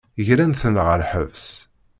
Gran-ten ɣer lḥebs.